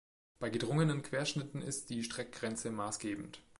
Bei gedrungenen Querschnitten ist die Streckgrenze maßgebend.